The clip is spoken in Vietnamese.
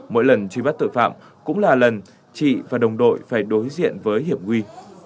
mỗi lần truy bắt tội phạm cũng là lần chị và đồng đội phải đối diện với hiểm nguy